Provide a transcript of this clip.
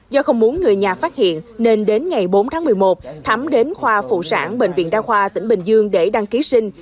do không muốn người nhà phát hiện nên đến ngày bốn tháng một mươi một thắm đến khoa phụ sản bệnh viện đa khoa tỉnh bình dương để đăng ký sinh